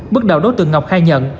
bước đầu đối tượng ngọc khai nhận